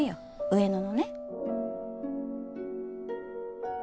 上野のね。